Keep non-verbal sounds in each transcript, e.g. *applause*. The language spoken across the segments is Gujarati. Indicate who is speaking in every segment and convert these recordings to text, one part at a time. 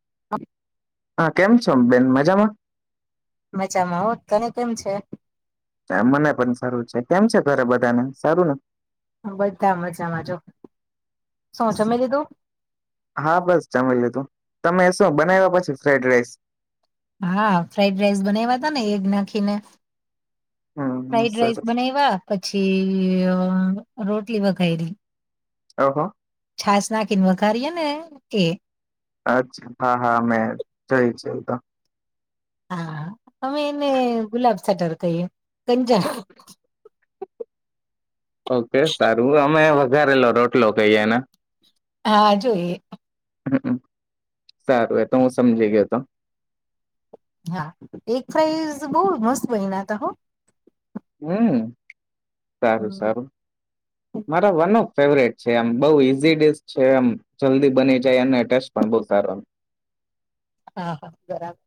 Speaker 1: *inaudible*
Speaker 2: હા કેમ છો બેન મજામાં?
Speaker 1: મજામાં હો, તને કેમ છે?
Speaker 2: મને પણ સારું છે કેમ છે ઘરે બધાને સારું ને.
Speaker 1: બધા મજમા જો. શું જમી દીધું?
Speaker 2: હા બસ જમી લીધું તમે શું બનાવ્યા પછી ફ્રાઈડ રાઈસ.
Speaker 1: હા ફ્રઇડ રાઈસ બનાવ્યા તા ને એગ નાખીને.
Speaker 2: હમ
Speaker 1: ફ્રડ રાઈસ
Speaker 2: સરસ
Speaker 1: બનાવા પછી અ રો લી બખાયલી
Speaker 2: હહો
Speaker 1: છાસ નાખીને વઘારીએ ને કે
Speaker 2: અચ્છા હા હા મેમે જઈ છે તો
Speaker 1: હા અમે એને ગુલાબ સટાર કઈ પંચ
Speaker 2: ઓકે સારું અમે વ ઘરેલો રોટલો કહી જાય ને
Speaker 1: હા જોઈએ
Speaker 2: હમમ સારું એ તો હું સમજી ગયો હતો
Speaker 1: હા એગ ફ્રાઈ બહ મસ્ત બનાતા હો
Speaker 2: હમ સારું સારું મારા વન ઓફ ફેવરેટ છે એમ બઉુ ઈઝી ડિક છે એમ જલ્દી બની જાય અને ટેસ્ટ પણ બઉ સારો
Speaker 1: હા હા બરાબર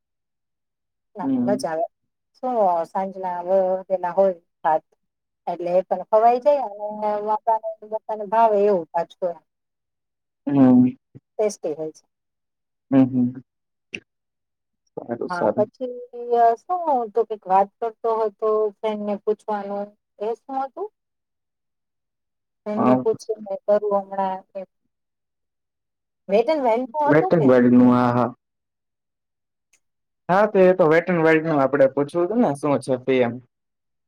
Speaker 1: ના
Speaker 2: હમ
Speaker 1: મજા આવે હ સાંજના વ તેના હોય રાત એટલે એ પણ ખવાય જાય અને *unintelligible* મતાને ભાવે એવું પાછું
Speaker 2: હમ
Speaker 1: ટેસ્ટી હોય છે
Speaker 2: હમ હમ સારું
Speaker 1: હા
Speaker 2: સારું
Speaker 1: પછી શું હતું કઈક વાત કરતો હતો ફન્ડને પૂછવાનું એ શું હતું
Speaker 2: હા
Speaker 1: એમને પૂછ્યું કરું હમણાં એ નું
Speaker 2: વેટ
Speaker 1: હતું
Speaker 2: ન
Speaker 1: ને
Speaker 2: વન નું આ હા હા તે તો વેટન વર્લ્ડ ન આપડે પૂછવું હતું ને શું છે પી એમ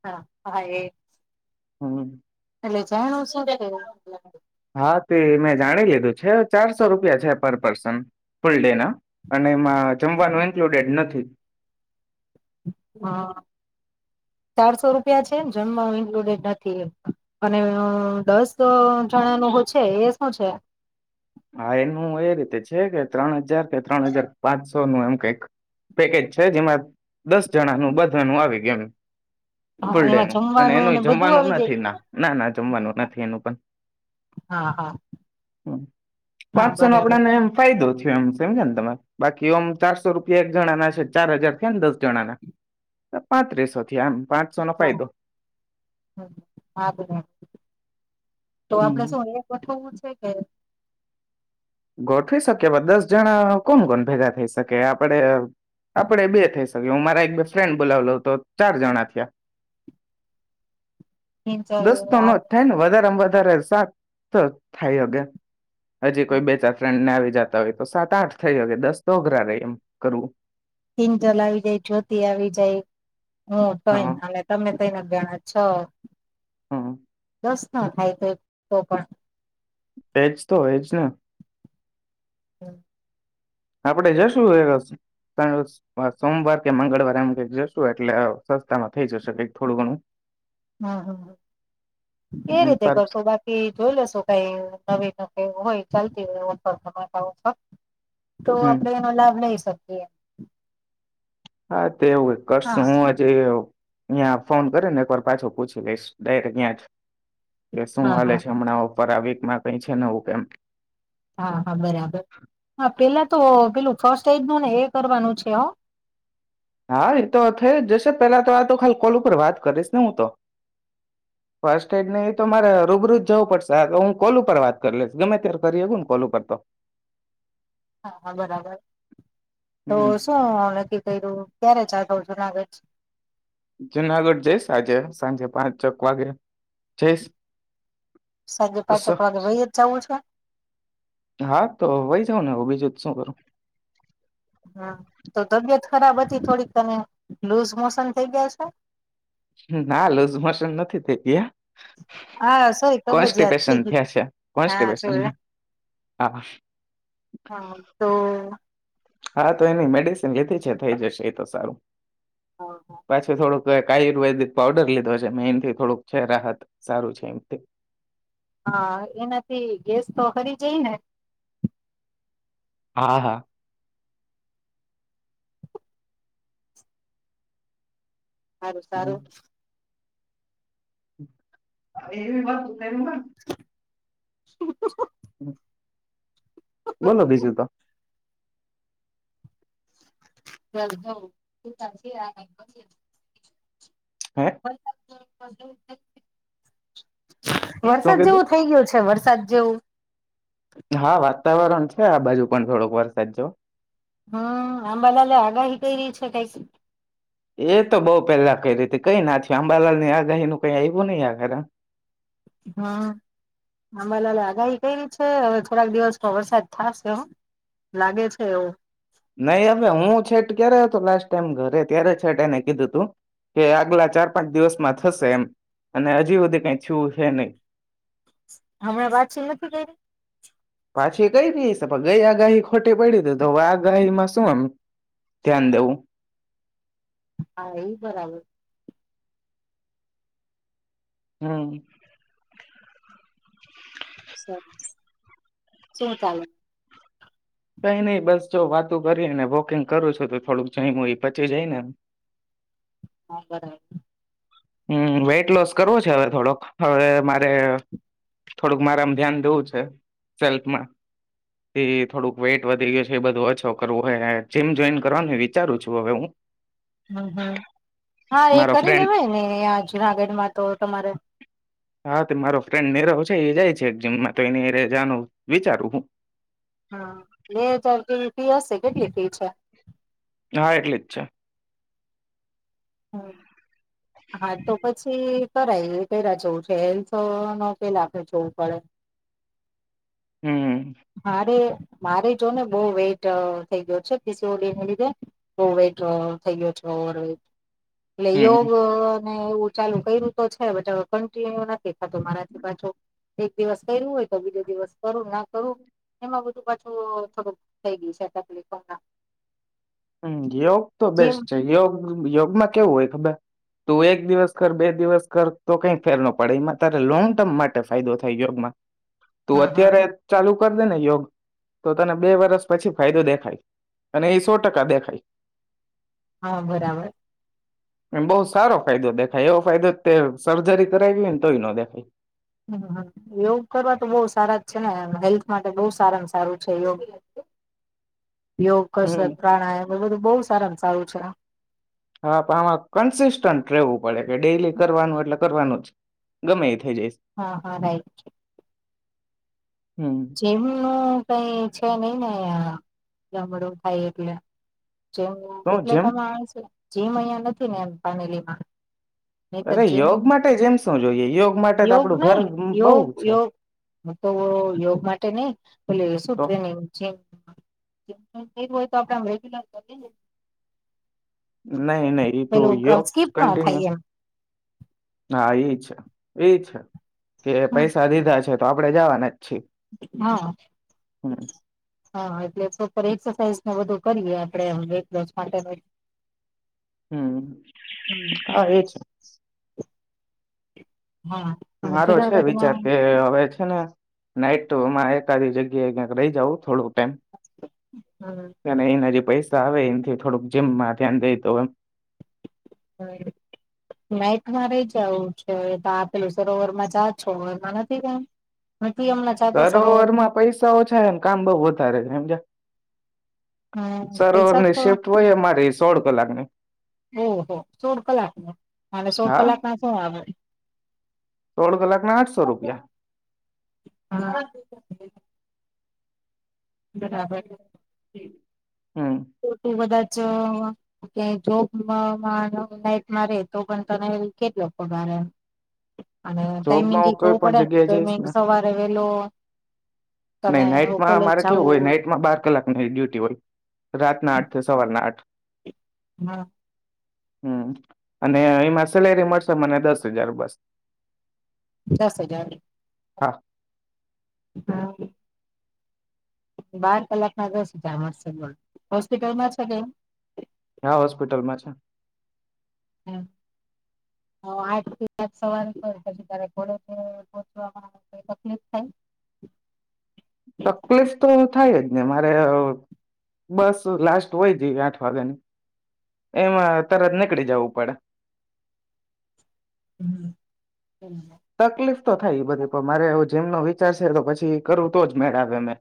Speaker 1: હા હા
Speaker 2: હમ
Speaker 1: એટલે જાણું શું
Speaker 2: હા તે મેં જાણી લીધું છે ચારસો રૂપિયા છે પર પર્સન ફૂલ ડે ના અને માં જમવાનું ઇન્ક્લુડેડ નથી
Speaker 1: હ ચારસો રૂપિયા છે એમ જમવા ઇન્કલુડેડ નથી અને દસ જણાનું છે એ શું છે
Speaker 2: હા એનું એ રીતે છે કે ત્રણ હજાર કે ત્રણ હજાર પાંચસો નું એમ કઈક પેકેજ છે જેમાં દસ જણાનુંું બધાનું આવી ગયું એમ
Speaker 1: હા
Speaker 2: ફૂલ ડે
Speaker 1: એમાં
Speaker 2: નું અને
Speaker 1: જમવાનું ને
Speaker 2: એનું
Speaker 1: બધું
Speaker 2: જમવાનું
Speaker 1: આવી
Speaker 2: નથી
Speaker 1: જાય
Speaker 2: ના ના ના જમવાનું નથી એનું પણ
Speaker 1: હા હા
Speaker 2: હ
Speaker 1: હા
Speaker 2: પાંચસો નો
Speaker 1: બરાબર
Speaker 2: આપડાને એમ ફાયદો *unintelligible* તમારે બાકીમ ચારસો રૂપિયા એક જણા ના છે ચાર હજાર થયા ને દસ જણા ના પાંત્રીસો થથી એમ પાંચસો નો
Speaker 1: હા
Speaker 2: ફાયદો
Speaker 1: હ તો આપડે
Speaker 2: હમ.
Speaker 1: શું એ ગોઠવવું છે, કે
Speaker 2: ગોઠવી શકીએ દસ જણા કોણ કોણ ભેગા થઈ શકે, આપણે આપણે બે થઈ શકી હું મારા એક બે ફ્રેન્ડ બોલાવ લઉ તો ચાર જણા થયા
Speaker 1: કિંજલ
Speaker 2: દસ્તો નો
Speaker 1: આવે
Speaker 2: જ થાય ને વધારે વધ વધારે સાત તો થાય અગ્યા હજી કોઈ બે ફ્રેન્ડ ને આવી જતા હોય, તો સાત આઠ થઈયો કે દસ તો અઘરા ર એમ કરવું
Speaker 1: કિંજલ આવી જાય જ્યોતિ આવી જાય હું તોઈ
Speaker 2: હા
Speaker 1: અને તમે ત્રણ જણા છ
Speaker 2: હમ્મ
Speaker 1: દસ ના થાય તોઈ તો પણ
Speaker 2: એજ તો એજ ને
Speaker 1: હમ્મ
Speaker 2: આપડે જશું સોમવાર કે મંગળવાર એમ કઈક જશું, એટલે સસ્તામાં થઇ જશે, કઈક થોડું ઘણું
Speaker 1: હમ્મ હમ્મ એ
Speaker 2: હમ
Speaker 1: રીતે
Speaker 2: પર
Speaker 1: કરશો બાકી જોઈ લેશો કઈ નવી ન હોય ચાલતી હોય ઓછર ધમા ઓછર તો
Speaker 2: હમ
Speaker 1: આપડે એનો લાભ લઈ શકીએ. *unintelligible*
Speaker 2: હા. તેવું કરશ
Speaker 1: હા
Speaker 2: હું હજ અયાં ફોન કરી ને એકવાર પાછો પૂછી લઈશ, ડાયરેક્ટ ત્યાં જ કે શું
Speaker 1: હા
Speaker 2: હાલે
Speaker 1: હા
Speaker 2: છે, હમણાં ઓ ફ વક માં કઈ છે, નવું કેમ
Speaker 1: હા હા બરાબર હા પેલા તો પેલું ફર્સ્ટ એઈજ ન ને એ કરવાનું છે હ
Speaker 2: હા એતો થઈ જ જશે પેલા તો આ તો ખાલી કોલ ઉપર વાત કરીશ, ને હું તો ફસ્ટ એડ ને એ તો મારે રૂબરૂજ જવું પડશે તો હું કોલ ઉપર વાત કરી લઈશ, ગમે ત્યારે કરી ને કોલ ઉપર તો
Speaker 1: હા-હા બરાબર. તો
Speaker 2: હમ
Speaker 1: શું નકી કર્યું, ક્યારે ચાલ સૌજ ના આવેે છે.
Speaker 2: જુનાગઢ જઈશ આજે સાંજે પાંચ ચક વાગે જઈશ.
Speaker 1: સાંજે પાંચેક વાગે વહી જ જવું છે
Speaker 2: હા તો હોય જાવ ને બીજું. શું કરું?
Speaker 1: હમ તો તબિયત ખરાબ હતી થોડીકને લૂઝ મોશન થઈ ગયા છે?
Speaker 2: ના લોઝ મશન નથી થઈ ગયા.
Speaker 1: હા, સોય ખબ જ યાદ
Speaker 2: કોન્સ્ટિપેશન
Speaker 1: થઈ ગય
Speaker 2: થયા છે કોન્સ્ટિપેશન
Speaker 1: હા
Speaker 2: હા
Speaker 1: હા તો
Speaker 2: હા તો એની મેડિસિન લીધી છે થઇ જશે એ તો સારું પાછું થોડુક તો એક આયુર્વેદિક પાવડર લીધો છે મે એનથી થોડુંક છે રાહત સારું છે એનથી
Speaker 1: હા એનાથી ગેસ તો ખરી જાય ને
Speaker 2: હા હા
Speaker 1: સારું-સારું.
Speaker 2: *unintelligible*
Speaker 1: *inaudible*
Speaker 2: બોલો બીજું તો
Speaker 1: *unintelligible* *inaudible* *unintelligible*
Speaker 2: હે શું
Speaker 1: વરસાદ
Speaker 2: કીધું
Speaker 1: જેવું થઇ ગયો છે વરસાદ *unintelligible*
Speaker 2: હા વાત વાતાવરણ છે આ બાજુ પણ થોડોક વરસાદ જેવુ
Speaker 1: હમ આંબાલાલે આગાહી કયરી છે કઈક
Speaker 2: એ તો બઉ પેલા કઈ રી તી કઈ ના થીયુ અંબાલાલ ની આગાહી નું કઈ આવ્યું નહી આખરે
Speaker 1: હમ અંબાલાલે આગાહી કઇરી છે હવે થોડાક દિવસ તો વરસાદ થાશે હો લાગે છે એવું
Speaker 2: નહી હવે હું છેટ ક્યારે હતો લાસ્ટ ટાઈમ ઘરે ત્યારે છેટ એને કીધું તું કે આગલા ચાર પાંચ દિવસમાં થશે એમ અને હજી હુધી કઈ થીયુ છે નય
Speaker 1: હમણાં વાતચીત નથી કયરી
Speaker 2: પાછી કઈ રી હશે પણ ગઈ આગાહી ખોટી પઈડીતી તો હવે આગાહીમાં શું એમ ધ્યાન દેવું?
Speaker 1: હા ઈ બરાબર
Speaker 2: હમ
Speaker 1: *unintelligible* શું ચાલે?
Speaker 2: કઈ નઈ બસ જો વાતું કરીએ ને વોકિંગ કરું છું તો થોડુંક જઈમો એ પચી જાય ને
Speaker 1: હા બરાબર
Speaker 2: હમ વેઈટ લોસ કરવું છે હવે થોડોક હવે મારે થોડુંક મારામાં ધ્યાન દેવું છે સેલ્ફમાં ઈ થોડુંક વેઈટ વધી ગયું છે એ બધું ઓછો કરવું હોય જીમ જોઈન કરવાનું વિચારું છું હવે હું
Speaker 1: હમ હમ હા એ
Speaker 2: મારો
Speaker 1: કરી
Speaker 2: ફ્રેન્ડ
Speaker 1: લેવાય ને અયા જુનાગઢમાં તો તમારે
Speaker 2: હા તે મારો ફ્રેન્ડ નીરવ છે એ જાય છે જીમમાં તો એ જાવાનું વિચારું હું
Speaker 1: હમ બે હજારની ફી હશે, કેટલી ફી છે?
Speaker 2: હા એટલી જ છે.
Speaker 1: હમ હા તો પછી કરાય પેલા જેવું છે હેલ્થ ને પેલા આપણે જોવું પડે
Speaker 2: હમ
Speaker 1: હારે મારે જો ને બવ વેઇટ થઈ ગયો છે પીસીઓડીને લીધે બવ વેટ થઈ ગયો છે ઓવરવેટ એટલે યોગ
Speaker 2: હમ
Speaker 1: એવું ચાલુ કયરૂ તો છે બોવ કન્ટિન્યુ નથી દેખાતું મારાથી પાછુ એક દિવસ કયરૂ હોય તો બીજો દિવસ કરું ના કરું એમાં બધું પાછું થોડુંક થઈ ગયું છે તકલીફો હમના
Speaker 2: હમ યોગ તો બેસ્ટ છે યોગ યોગમાં કેવું હોય ખબર તું એક દિવસ કર બે દિવસ કર તો કઈ ફેર ન પડે એમાં તારે લોંગ ટર્મ માટે ફાયદો થાય યોગમાં તું
Speaker 1: હા હા
Speaker 2: અત્યારે ચાલુ દે ને યોગ તો તને બે વર્ષ પછી ફાયદો દેખાય અને ટ કકા દેખાય
Speaker 1: હા બરાબર
Speaker 2: એ બઉુ સારો ફાયદો દેખાય એવો ફાયદો તે સર્જરી કરાવી હોય ને તોય ન દેખાય
Speaker 1: હમ યોગ કરવા તો બહુ સારા જ છે ને હેલ્થ માટે બહ સારા સારું છે યોગ યો કસ
Speaker 2: હમ
Speaker 1: પ્રાણાયયામ એ બહુ સારાનું સારું છે
Speaker 2: હા આમાં કન્સિસ્ટન્ટ રહેવું પડે કે ડેલી કરવાનું એટલે કરવાનું જ ગમે થઈ જઈશ
Speaker 1: હા હા રાઈટ
Speaker 2: હમ
Speaker 1: જેમું નું કઈ છે નઈ ને જમડું થાય એટલે જો
Speaker 2: તો જેમ
Speaker 1: ઉપપલેટામાં આવે છે જેીમ અહં નથી ને એમ પાનેલીમાં નહી તો
Speaker 2: અરે
Speaker 1: જેમ
Speaker 2: યોગ માટે જ એમ શું જોઈએ યોગ માટે તો
Speaker 1: યોગ
Speaker 2: આપડું
Speaker 1: ને
Speaker 2: ઘર
Speaker 1: યોગ
Speaker 2: બહ છે
Speaker 1: યોગ હું તો યોગ માટે નહી એલે શું
Speaker 2: તો
Speaker 1: ટ્રેનિંગ હોય તો આપડે રેગ્યુલર કરી
Speaker 2: નહી નહી એ તો યોગ
Speaker 1: સ્કીપ ન
Speaker 2: કન્ટિન્યુ
Speaker 1: થાય એમ
Speaker 2: હા એ છે એ છે કે
Speaker 1: હમ,
Speaker 2: પૈસા દીધા છે તો આપડણે જવાને
Speaker 1: હા હા એટલે એક્સરસાઇઝ બધું કરીએ આપણે વેટ લો માટે
Speaker 2: હમ
Speaker 1: હમ
Speaker 2: હા એ છે *inaudible*
Speaker 1: હા અને
Speaker 2: મારો છે વિચાર
Speaker 1: જુનાગઢમાં
Speaker 2: કે હવે છે ને નાઈટ ટુમાં એક જગ્યાએ ક્યાંક રહી જવું થોડું નજી પૈ આવે એમથી થોડુંક જીમમાં ધ્યાન દઈ તોમ
Speaker 1: હ મેચમાં રહી જ આવું છે તો આપેલું સ ઓવરમાં જ છો ઓવરમાં નથી કમ
Speaker 2: સરોવરમાં પૈસા ઓછા એમ કામ બઉ વધારે છે એમજ
Speaker 1: હમ પૈસા
Speaker 2: સરોવરની
Speaker 1: તો
Speaker 2: શિફ્ટ હોય અમારી સોળ લાગને
Speaker 1: ઓહો સોળ કલાક ન અને સોળ
Speaker 2: હા
Speaker 1: કલાક ના શું આવે
Speaker 2: સોળ કલાકના આઠસો રૂપિયા
Speaker 1: હા બરાબર હમ
Speaker 2: હમ
Speaker 1: તો તું કધાચ જે જોબ માં રે નાઇટ તો પણ તને કેટલો પગાર અને ટાઈમિંગ
Speaker 2: જોબમાં
Speaker 1: એ
Speaker 2: હું કોઈ
Speaker 1: જોવું
Speaker 2: પણ
Speaker 1: પડે
Speaker 2: જગ્યાએ
Speaker 1: તોય મે
Speaker 2: જઈશ ને
Speaker 1: સવારે વેલો
Speaker 2: નહી
Speaker 1: તને
Speaker 2: નાઈટમાં
Speaker 1: કોલેજ
Speaker 2: અમારે
Speaker 1: જવું
Speaker 2: કેવું હોય નાઈટમાં બાર કલાક ન ડ્યુટી હોય રાત આઠ થી સવાર આઠ
Speaker 1: હા
Speaker 2: હમ અને એમાં સેલેરી મળશે મને દસ હજાર બસ
Speaker 1: દસ હજાર
Speaker 2: હા
Speaker 1: હા બાર કલાકમાં દસ હજાર મલશે પણ હોસ્પિટલમાં છે ક‌ઇ
Speaker 2: હા હોસ્પિટલમાં છે
Speaker 1: હ આઠ થી સાત સવારે કર પછી તને કોલેજ પહચવામાં કઈ તકલીફ થાય
Speaker 2: તકલીફ તો થાય જ ને મારે બસ લાસ્ટ હોય જે આઠ વાગ્યાની એમાં તરત નીકળી જવું પડે
Speaker 1: *inaudible* *inaudible*
Speaker 2: તકલીફ તો થાય બધી પણ મારે જીમ નો વિચાર છે તો પછી કરવું તો જ મેળ આવે મે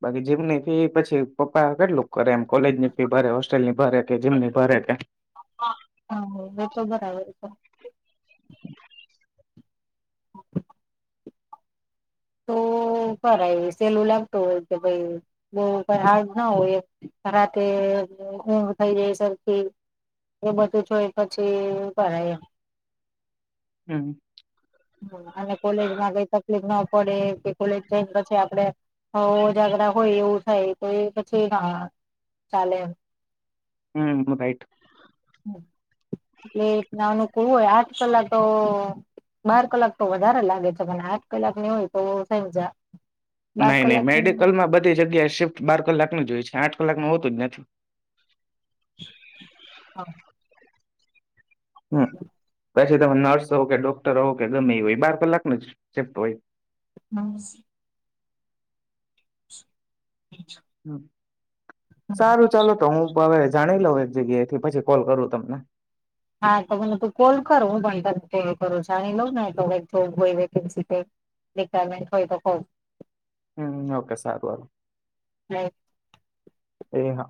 Speaker 2: બાકી જીમની ફી પછી પપ્પા કેટલું કરે એમ કોલેજ ની ફી ભરે હોસ્ટેલ ની ભારે કે જીમ ની ભરે કે
Speaker 1: હા એ તો બરાબર છે તો કરાઈ સહેલું લાગતું હોય કે ભઈ બ‌ઉ પર હાર્ડ ના હોય રાતે ઊંઘ થઈ જાય સરખી એ બધું જોય પછી કરાએ એમ
Speaker 2: હમ
Speaker 1: અને કોલેજ માં કઈ તકલીફ ન પડે કે કોલેજ જઈને પછી આપડે હોય‌ ઉજાગરા હોય એવું થાય તો એ પછી ના ચાલે એમ
Speaker 2: હમ રાઇટ
Speaker 1: *unintelligible* અનુકૂળ હોય આઠ કલાક તો બાર કલાક તો વધારે લાગે છે પણ આઠ કલાક ની હોય તો સમજ્યા
Speaker 2: નઈ નઈ મેડિકલ માં બધી જગ્યા શિફ્ટ બાર કલાક ની જ હોય છે આઠ કલાક ન હોતું જ નથી
Speaker 1: હા
Speaker 2: હમ પછી તમે નર્સ હોવ કે ડોક્ટર હોવ કે ગમે એ હોય બાર કલાક નું જ શીફ્ટ હોય
Speaker 1: હમ
Speaker 2: હમ સારું ચાલો તો હું હવે જાણી લઉ એક જગ્યાએ એથી પછી કોલ કરું તમને
Speaker 1: હા તો મને તું કોલ કર હું પણ તને કૉલ કરું જાણી લઉં ને તો જોબ હોય વેકેન્સી હોય રિક્વાયરમેંટ હોય તો ક‌ઉ
Speaker 2: હમ ઓકે સારું એ હા